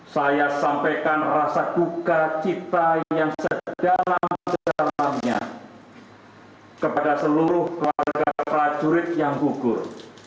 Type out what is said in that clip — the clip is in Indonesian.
saya sampaikan rasa duka cita yang sedalam sedalamnya kepada seluruh keluarga prajurit yang gugur